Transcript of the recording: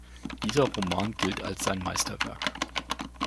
Dieser Roman gilt als sein Meisterwerk.